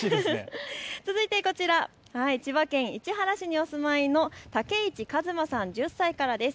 続いてこちら、千葉県市原市にお住まいのけいちかずまさん１０歳からです。